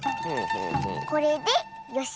これでよし。